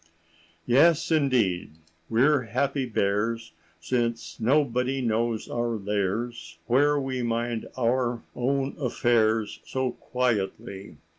"Yes, indeed, we're happy bears, Since nobody knows our lairs, Where we mind our own affairs So quietly.